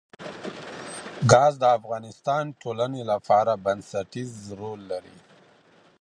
ګاز د افغانستان د ټولنې لپاره بنسټيز رول لري.